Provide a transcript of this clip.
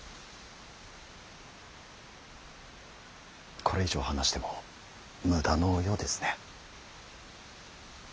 これ以上話しても無駄のようですね。